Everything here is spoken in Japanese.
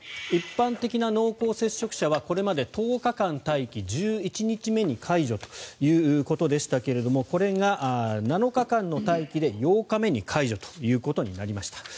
一般的な濃厚接触者はこれまで１０日間待機１１日目に解除ということでしたがこれが７日間の待機で８日目に解除となりました。